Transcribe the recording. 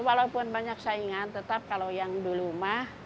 walaupun banyak saingan tetap kalau yang dulu mah